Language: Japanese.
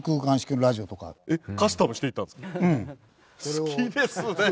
好きですね！